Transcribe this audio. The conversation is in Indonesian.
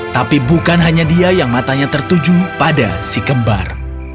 tapi bukan hanya dia yang matanya tertuju pada si kembar